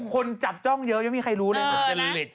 คนจับจ้องเยอะยังไม่มีใครรู้เลย